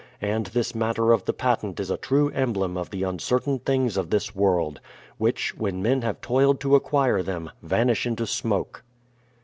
And this matter of the patent is a true emblem of the uncertain tKings of this world, which, when men have toiled to acquire them vanish into smoke